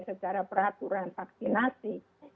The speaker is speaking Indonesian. secara peraturan vaksinasi